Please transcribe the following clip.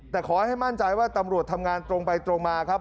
แต่ขอให้มั่นใจว่าตำรวจทำงานตรงไปตรงมาครับ